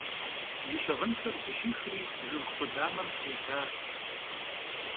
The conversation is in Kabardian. Yi şığınxer zışixri jjıg khudamexem f'idzaş.